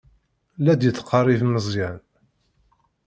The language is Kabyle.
La d-yettqerrib Meẓyan.